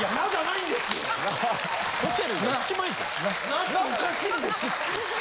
「な？」っておかしいんです！